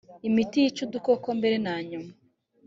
imiti yica udukoko mbere na nyuma